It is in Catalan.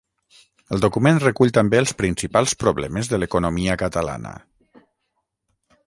El document recull també els principals problemes de l’economia catalana.